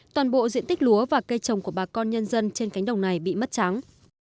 toàn bộ diện tích lúa và cây trồng của bà con nhân dân trên cánh đồng này bị mất trắng